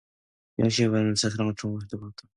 영신이가 반은 자살한 것처럼 생각도 하여 보았다.